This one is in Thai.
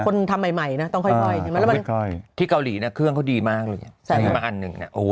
คนทำใหม่นะต้องค่อยที่เกาหลีเครื่องเขาดีมากเลย